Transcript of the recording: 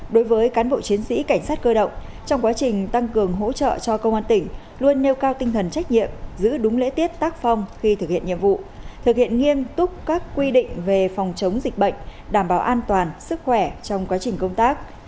đối với cán bộ chiến sĩ cảnh sát cơ động trong quá trình tăng cường hỗ trợ cho công an tỉnh luôn nêu cao tinh thần trách nhiệm giữ đúng lễ tiết tác phong khi thực hiện nhiệm vụ thực hiện nghiêm túc các quy định về phòng chống dịch bệnh đảm bảo an toàn sức khỏe trong quá trình công tác